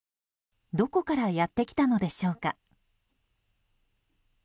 どこからやってきたのでしょうか。